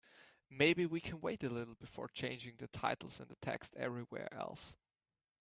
Maybe we can wait a little bit before changing the titles and the text everywhere else?